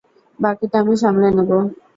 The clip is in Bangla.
বাকিটা আমি সামলে নেব।